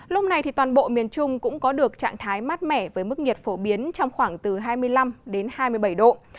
lúc này thì toàn bộ miền trung cũng có được trạng thái mát mẻ với mức nhiệt phổ biến trong khoảng từ hai mươi năm đến hai mươi bảy độ